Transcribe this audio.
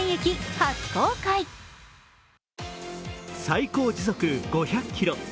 最高時速５００キロ。